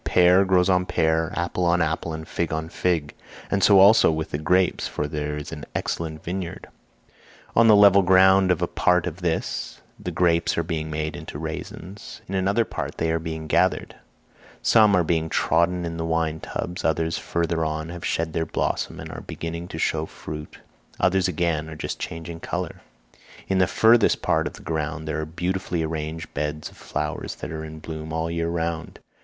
Pear grows on pear, apple on apple, and fig on fig, and so also with the grapes, for there is an excellent vineyard: on the level ground of a part of this, the grapes are being made into raisins; in another part they are being gathered; some are being trodden in the wine tubs, others further on have shed their blossom and are beginning to show fruit, others again are just changing colour. In the furthest part of the ground there are beautifully arranged beds of flowers that are in bloom all the year round.